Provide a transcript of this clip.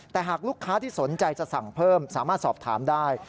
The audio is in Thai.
แต่หากลูกค้าที่สนใจจะสั่งเพิ่มสามารถสอบถามได้